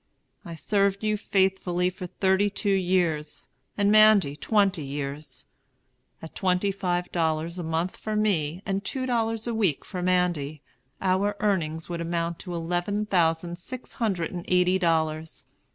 I served you faithfully for thirty two years, and Mandy twenty years. At twenty five dollars a month for me, and two dollars a week for Mandy, our earnings would amount to eleven thousand six hundred and eighty dollars.